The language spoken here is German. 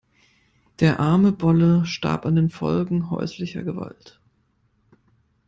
Der arme Bolle starb an den Folgen häuslicher Gewalt.